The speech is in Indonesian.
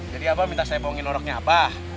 jadi abah minta saya bohongin orangnya abah